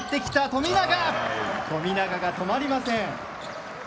富永が止まりません。